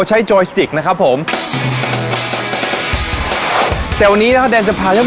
คาจหลักแรกและนไวก์